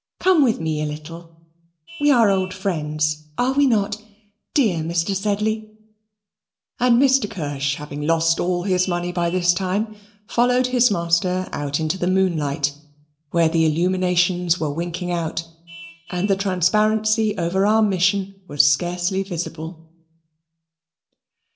"Come with me a little we are old friends, are we not, dear Mr. Sedley?" And Mr. Kirsch having lost all his money by this time, followed his master out into the moonlight, where the illuminations were winking out and the transparency over our mission was scarcely visible.